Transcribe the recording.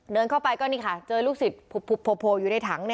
เดินเข้าไปก็นี่ค่ะเจอลูกศิษย์โผล่อยู่ในถัง